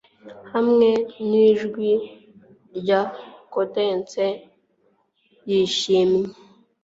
hamwe nijwi rya cadence yishimye